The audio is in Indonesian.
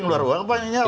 keluar uang apa yang nyawa